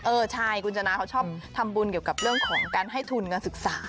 เออใช่คุณชนะเขาชอบทำบุญเกี่ยวกับเรื่องของการให้ทุนการศึกษา